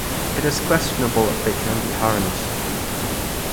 It is questionable if they can be harnessed.